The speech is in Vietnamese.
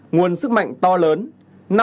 hai nguồn sức mạnh to lớn